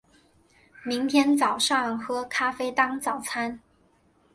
明天早上喝咖啡当早餐